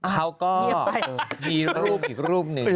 เขาก็มีรูปอีกรูปหนึ่ง